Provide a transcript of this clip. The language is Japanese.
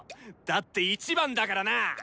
だって１番だからな！